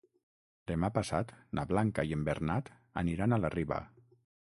Demà passat na Blanca i en Bernat aniran a la Riba.